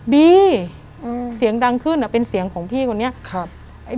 ดีเสียงดังขึ้นเป็นเสียงของพี่คนนี้ครับ